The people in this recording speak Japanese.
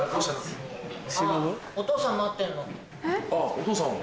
お父さんを？